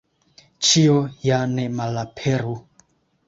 Ĉio ja ne malaperu.